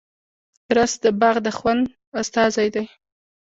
رس د باغ د خوند استازی دی